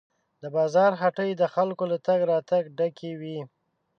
د بازار هټۍ د خلکو له تګ راتګ ډکې وې.